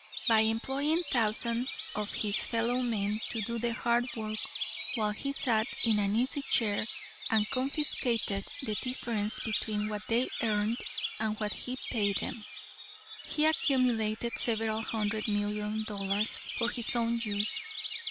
By employing thousands of his fellow men to do the hard work while he sat in an easy chair and confiscated the difference between what they earned and what he paid them, he accumulated several hundred million dollars for his own use.